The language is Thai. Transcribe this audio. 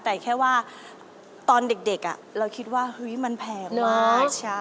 แต่แค่ว่าตอนเด็กเราคิดว่ามันแพงมาก